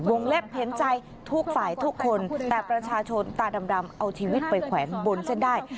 เล็บเห็นใจทุกฝ่ายทุกคนแต่ประชาชนตาดำเอาชีวิตไปแขวนบนเส้นได้